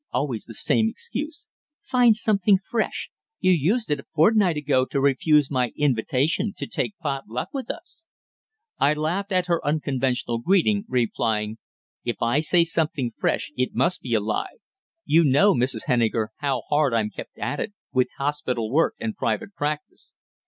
Always the same excuse! Find something fresh. You used it a fortnight ago to refuse my invitation to take pot luck with us." I laughed at her unconventional greeting, replying, "If I say something fresh it must be a lie. You know, Mrs. Henniker, how hard I'm kept at it, with hospital work and private practice."